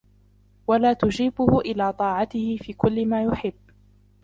وَلَا تُجِيبُهُ إلَى طَاعَتِهِ فِي كُلِّ مَا يُحِبُّ